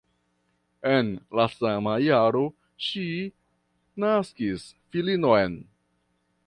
En la sama jaro ŝi naskis filinon.